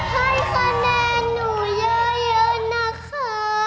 ให้คะเน่หนูเยอะนะคะ